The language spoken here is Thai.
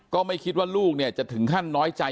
ก็ไม่คิดว่าลูกเนี่ยจะถึงขั้นน้อยใจ